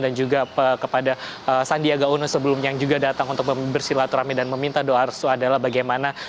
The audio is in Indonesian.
dan juga kepada sandiaga uno sebelumnya yang juga datang untuk bersilaturahmi dan meminta doa restu adalah bagaimana